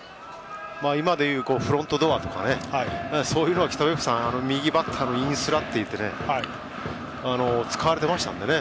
今でいうフロントドアとかそういうのは北別府さん右バッターのインスラっていって使われていましたのでね。